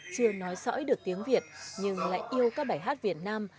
chưa nói sõi được tiếng việt nhưng lại yêu các bài hát việt nam